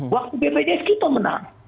waktu bpjs kita menang